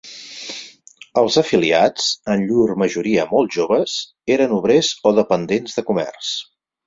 Els afiliats, en llur majoria molt joves, eren obrers o dependents de comerç.